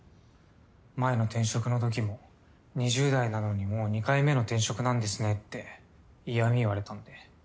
前の転職のときも２０代なのにもう２回目の転職なんですねって嫌み言われたんで。